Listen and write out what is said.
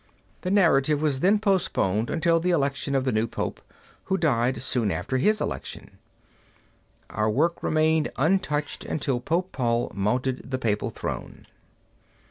The narrative was then postponed until the election of the new Pope, who died soon after his election. Our work remained untouched until Pope Paul mounted the papal throne.